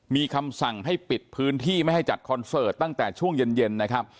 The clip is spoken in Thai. มีคำสั่งให้ปิดพื้นที่ไม่ให้จัดคอนเสิร์ตตั้งแต่ช่วงเย็นนะครับ